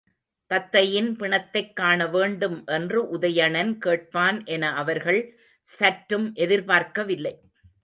தத்தையின் பிணத்தைக் காணவேண்டும் என்று உதயணன் கேட்பான் என அவர்கள் சற்றும் எதிர்பார்க்கவில்லை.